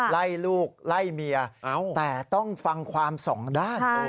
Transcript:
ไล่ลูกไล่เมียแต่ต้องฟังความสองด้าน